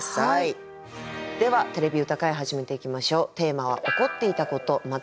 では「てれび歌会」始めていきましょう。